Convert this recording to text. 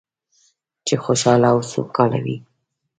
چې خوشحاله او سوکاله وي.